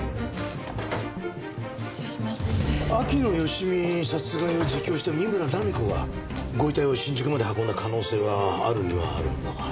秋野芳美殺害を自供した三村菜実子がご遺体を新宿まで運んだ可能性があるにはあるんだが。